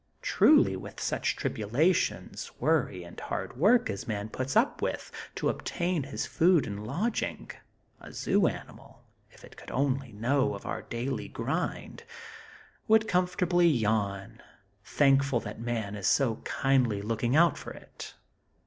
Truly, with such tribulations, worry, and hard work as Man puts up with to obtain his food and lodging, a zoo animal, if it could only know of our daily grind, would comfortably yawn, thankful that Man is so kindly looking out for it.